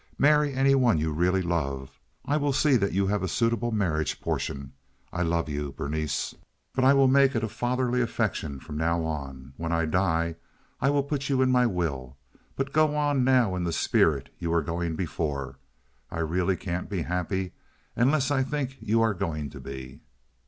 Marry any one you really love. I will see that you have a suitable marriage portion. I love you, Berenice, but I will make it a fatherly affection from now on. When I die I will put you in my will. But go on now in the spirit you were going before. I really can't be happy unless I think you are going to be."